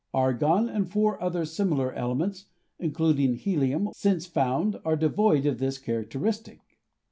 Argon and four other similar elements, including helium, since found, are devoid of this characteristic.